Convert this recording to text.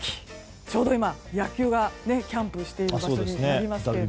ちょうど今、野球がキャンプをしている場所になります。